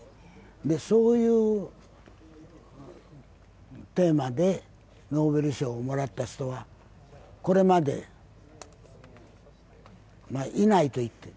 そういうテーマでノーベル賞をもらった人は、これまでいないと。